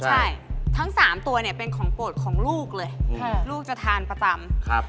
ใช่ทั้ง๓ตัวเนี่ยเป็นของโปรดของลูกเลยลูกจะทานประจำ